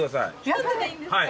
１つでいいんですか？